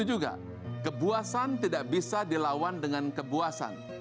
itu juga kebuasan tidak bisa dilawan dengan kebuasan